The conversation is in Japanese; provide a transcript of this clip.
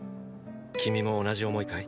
君も同じ思いかい？